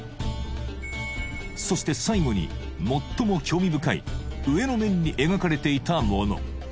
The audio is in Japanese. そして最後に最も興味深い上の面に描かれていたもの